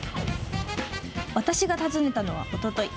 私が訪ねたのは、おととい。